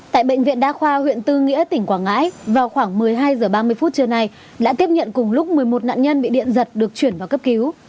tại bệnh viện đa khoa huyện tư nghĩa tỉnh quảng ngãi vào khoảng một mươi hai h ba mươi phút trưa nay đã tiếp nhận cùng lúc một mươi một nạn nhân bị điện giật được chuyển vào cấp cứu